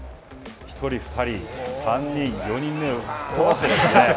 １人、２人、３人４人目吹っ飛ばしていますね。